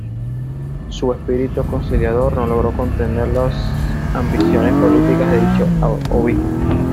Su espíritu conciliador no logró contener las ambiciones políticas de dicho obispo.